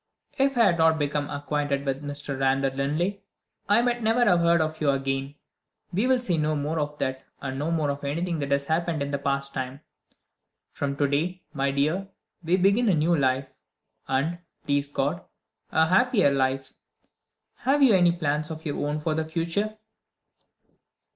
If I had not become acquainted with Mr. Randal Linley, I might never have heard of you again. We will say no more of that, and no more of anything that has happened in the past time. From to day, my dear, we begin a new life, and (please God) a happier life. Have you any plans of your own for the future?"